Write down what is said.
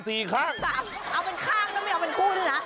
เอาเป็นข้างแล้วไม่เอาเป็นคู่ด้วยนะ